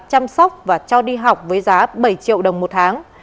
chăm sóc và cho đi học với giá bảy triệu đồng một tháng